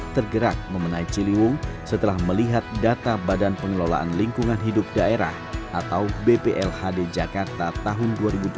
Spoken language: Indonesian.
tergerak memenai ciliwung setelah melihat data badan pengelolaan lingkungan hidup daerah atau bplhd jakarta tahun dua ribu delapan belas